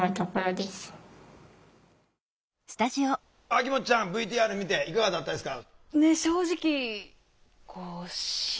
秋元ちゃんＶＴＲ見ていかがだったですか？